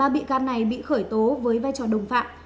ba bị can này bị khởi tố với vai trò đồng phạm